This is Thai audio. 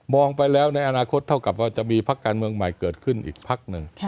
ไปแล้วในอนาคตเท่ากับว่าจะมีพักการเมืองใหม่เกิดขึ้นอีกพักหนึ่ง